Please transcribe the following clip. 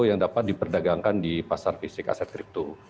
yang dapat diperdagangkan di pasar fisik aset kripto